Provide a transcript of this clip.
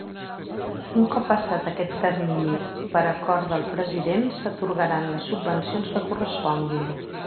Un cop passat aquest termini per acord del president s'atorgaran les subvencions que corresponguin.